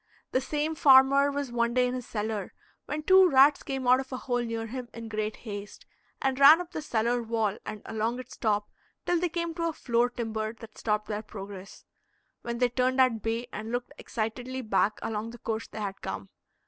The same farmer was one day in his cellar when two rats came out of a hole near him in great haste, and ran up the cellar wall and along its top till they came to a floor timber that stopped their progress, when they turned at bay, and looked excitedly back along the course they had come.